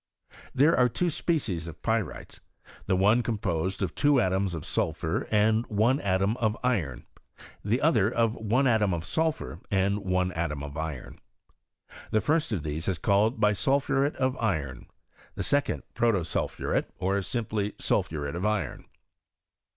There are two species of pyritea; the one composed of two atoms of sulphur and one atom of iron, the other of one atom of sulphur and one atom of iron. The first of these is called bisulphuret of iron; the second protosulphuret, or simply sulphtuet of iron.